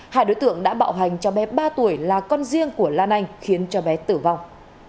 hai đối tượng đã bạo hành cho bé ba tuổi là con riêng của lan anh khiến cho bé tử vong